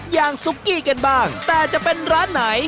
ซุกกี้กันบ้างแต่จะเป็นร้านไหน